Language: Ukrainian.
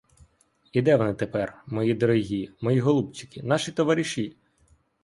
І де то вони тепер, мої дорогі, мої голубчики, наші товариші!